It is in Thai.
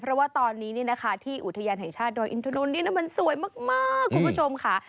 เพราะว่าตอนนี้ที่อุทยานไทยชาติดรอินทรนุนมันสวยมากคุณผู้ชมค่ะ